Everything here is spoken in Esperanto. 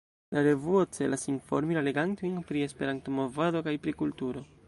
La revuo celas informi la legantojn pri la Esperanto-movado kaj pri kulturo.